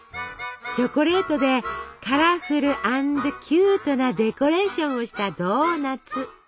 チョコレートでカラフル＆キュートなデコレーションをしたドーナツ。